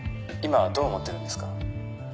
今はどう思ってるんですか？」